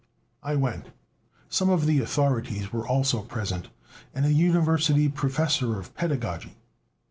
I went. Some of the authorities were also present, and a university professor of pedagogy.